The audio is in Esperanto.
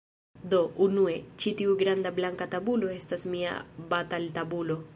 Do, unue, ĉi tiu granda blanka tabulo estas mia bataltabulo